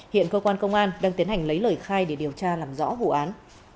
hiện cơ quan công an đang tiến hành lấy lời khai để điều tra làm rõ vụ án